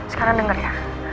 sekarang denger ya